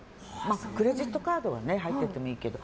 クレジットカードは入っててもいいけど。